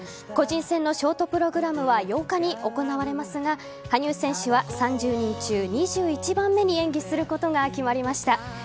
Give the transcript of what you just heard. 個人戦のショートプログラムは８日に行われますが羽生選手は３０人中２１番目に演技することが決まりました。